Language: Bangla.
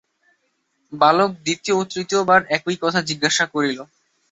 বালক দ্বিতীয় ও তৃতীয় বার একই কথা জিজ্ঞাসা করিল।